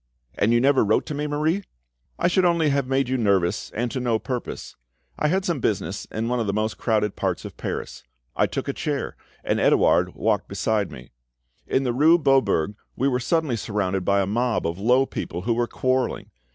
"And you never wrote to me, Marie?" "I should only have made you anxious, and to no purpose. I had some business in one of the most crowded parts of Paris; I took a chair, and Edouard walked beside me. In the rue Beaubourg we were suddenly surrounded by a mob of low people, who were quarrelling.